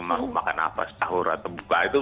mau makan apa sahur atau buka itu